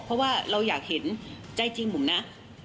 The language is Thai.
เพราะว่าเราอยากเห็นใจจริงผมนะ